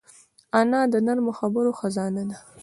انا د نرمو خبرو خزانه ده